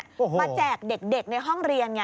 มาแจกเด็กในห้องเรียนไง